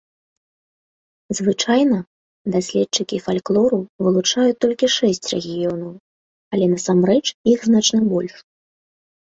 Звычайна, даследчыкі фальклору вылучаюць толькі шэсць рэгіёнаў, але насамрэч іх значна больш.